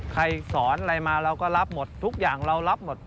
ใครสอนอะไรมาเราก็รับหมดทุกอย่างเรารับหมด